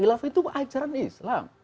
hilafah itu ajaran islam